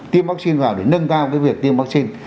tiếp vaccine vào để nâng cao cái việc tiếp vaccine